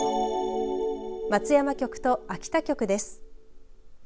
松山局と秋田局です。